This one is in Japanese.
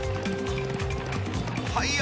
はいや！